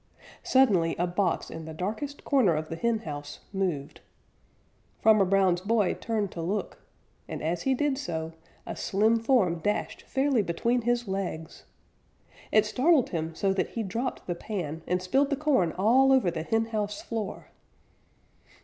Suddenly a box in the darkest corner of the henhouse moved. Farmer Brown's boy turned to look, and as he did so a slim form dashed fairly between his legs. It startled him so that he dropped the pan and spilled the corn all over the henhouse floor.